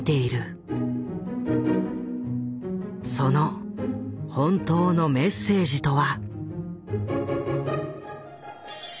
その本当のメッセージとは？